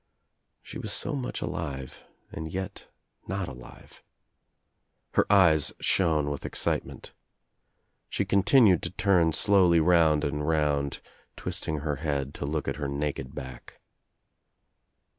She was so much alive and yet not alive. Her eyes shone with excitement. She con tinued to turn slowly round and round twisting her head to look at her naked back.